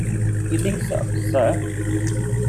You think so, sir?